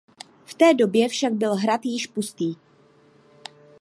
V té době však byl hrad již pustý.